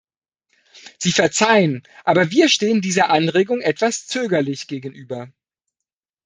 Sie verzeihen, aber wir stehen dieser Anregung etwas zögerlich gegenüber.